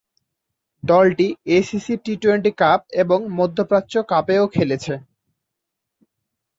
দলটি ACC T twenty cup এবং মধ্যপ্রাচ্য কাপেও খেলেছে।